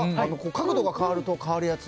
角度が変わると変わるやつ